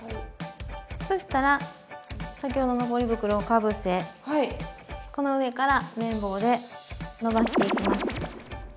そしたら先ほどのポリ袋をかぶせこの上からめん棒でのばしていきます。